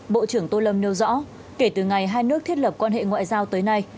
bộ trưởng tô lâm nêu rõ kể từ ngày hai nước thiết lập quan hệ ngoại giao tới nay